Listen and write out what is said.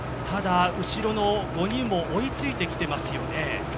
ただ、後ろの５人も追いついてきてますね。